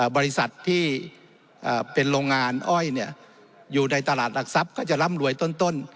บริษัทที่เป็นโรงงานอ้อยอยู่ในตลาดหลักทรัพย์ก็จะร่ำรวยต้น